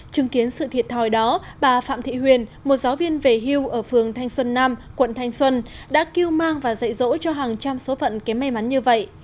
chứng kiến sự thiệt thòi đó bà phạm thị huyền một giáo viên về hưu ở phường thanh xuân nam quận thanh xuân đã kêu mang và dạy dỗ cho hàng trăm số phận kém may mắn như vậy